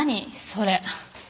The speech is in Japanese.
それ。